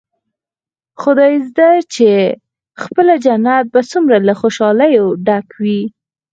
خدايزده چې پخپله جنت به څومره له خوشاليو ډک وي.